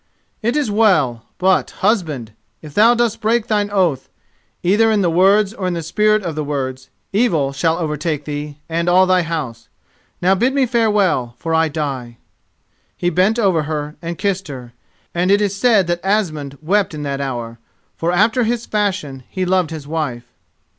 "It is well; but, husband, if thou dost break thine oath, either in the words or in the spirit of the words, evil shall overtake thee and all thy house. Now bid me farewell, for I die." He bent over her and kissed her, and it is said that Asmund wept in that hour, for after his fashion he loved his wife.